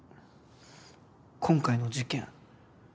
今回の事件